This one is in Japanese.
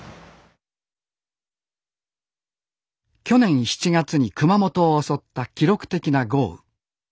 去年７月に熊本を襲った記録的な豪雨。